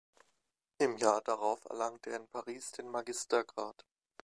Im Jahr darauf erlangte er in Paris den Magister-Grad.